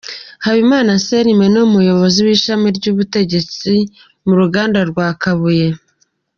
Habimana Anselme Ni Umuyobozi w’Ishami ry’Ubutegetsi mu ruganda rwa Kabuye.